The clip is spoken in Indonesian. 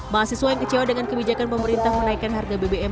mahasiswa yang kecewa dengan kebijakan pemerintah menaikkan harga bbm